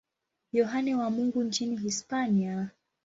Yohane wa Mungu nchini Hispania.